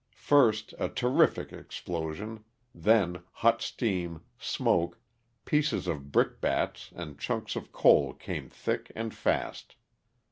First a terrific explosion, then hot steam, smoke, pieces of brick bats and chunks of coal came thick and fast.